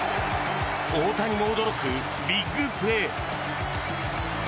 大谷も驚くビッグプレー。